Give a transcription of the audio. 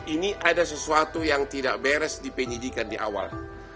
ini ada sesuatu yang tidak beres di penyidikan di awal